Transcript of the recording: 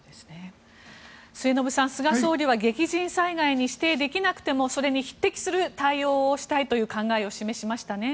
末延さん、菅総理は激甚災害に指定できなくてもそれに匹敵する対応をしたいという考えを示しましたね。